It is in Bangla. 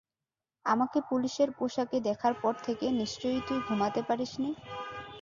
আমাকে পুলিশের পোশাকে দেখার পর থেকে, নিশ্চয়ই তুই ঘুমাতে পারিসনি।